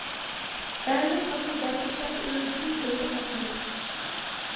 بەزى كامىل دەرۋىشلەر ئۆزىدىن ئۆزى قاچىدۇ.